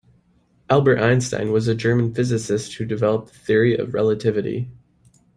Albert Einstein was a German physicist who developed the Theory of Relativity.